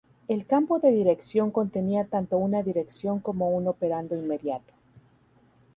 El campo de dirección contenía tanto una dirección como un operando inmediato.